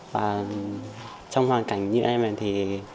và trong hoàn cảnh như em này thì